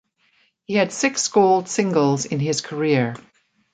He had six gold singles in his career.